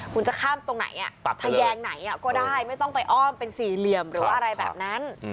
คุณจะข้ามตรงไหนทะแยงไหนก็ได้ไม่ต้องไปอ้อมเป็นสี่เหลี่ยมหรือว่าอะไรแบบนั้น